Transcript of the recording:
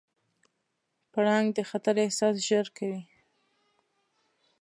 پړانګ د خطر احساس ژر کوي.